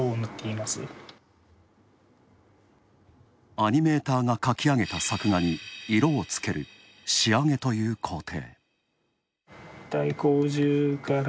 アニメーターが描き上げた作画に色をつける仕上げという工程。